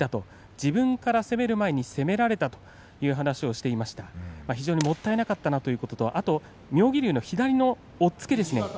自分が合わせる前に攻められてしまったという話をしていました非常にもったいなかったなとあと妙義龍の左の押っつけですね